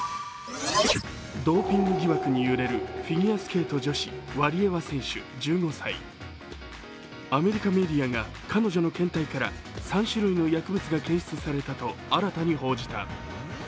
ドーピング疑惑に揺れるフィギュアスケート女子・ワリエワ選手１５歳アメリカメディアが彼女の検体から３種類の薬物が検出されたと新たに報じた。